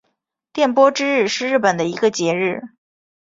电波之日是日本的一个节日。